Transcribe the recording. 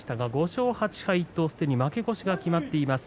５勝８敗と、すでに負け越しが決まっています。